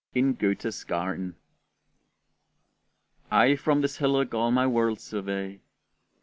IN GOETHE'S GARDEN I from this hillock all my world survey!